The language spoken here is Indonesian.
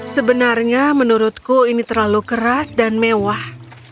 sebenarnya menurutku ini terlalu keras dan mewah